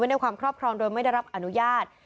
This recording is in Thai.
ในความครอบครองโดยไม่ได้รับอนุญาต